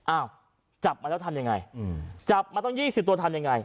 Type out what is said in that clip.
อ้าวจับมาแล้วทำยังไงจับมาตั้ง๒๐ตัวทำยังไง